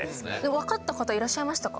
わかった方いらっしゃいましたか？